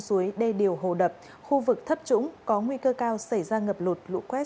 suối đê điều hồ đập khu vực thấp trũng có nguy cơ cao xảy ra ngập lụt lũ quét